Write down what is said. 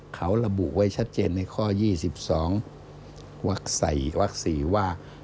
เขาระบุไว้ชัดเจนในข้อ๒๒วัก๔วัก๔ว่า